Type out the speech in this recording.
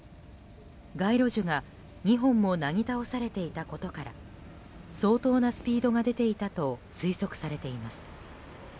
街路樹が２本もなぎ倒されていたことから相当なスピードが出ていたと推測されています。